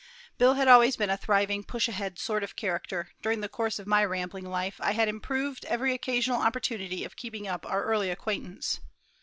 Bill had always been a thriving, push ahead sort of a character, and during the course of my rambling life I had improved every occasional opportunity of keeping up our early acquaintance.